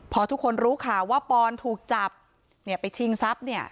พอทุกคนรู้ข่าวว่าปอนถูกจับเนี่ยไปชิงทรัพย์เนี่ย